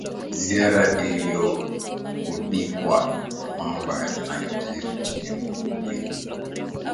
ziara iliyogubikwa na mamba yanayojiri nchini libya